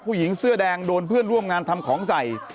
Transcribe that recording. ผู้หญิงเสื้อแดงโดนเพื่อนร่วมงานทำของใส่